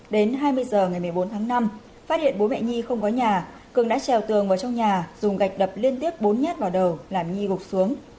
đến hai mươi h ngày một mươi bốn tháng năm phát hiện bố mẹ nhi không có nhà cường đã trèo tường vào trong nhà dùng gạch đập liên tiếp bốn nhát vào đầu làm nhi gục xuống